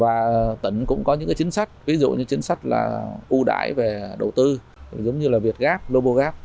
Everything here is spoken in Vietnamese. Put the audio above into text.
và tỉnh cũng có những chính sách ví dụ như chính sách là ưu đãi về đầu tư giống như là việt gap global gap